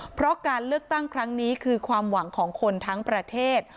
เพราะการเลือกตั้งครั้งนี้คือความหวังของคนทั้งประเทศ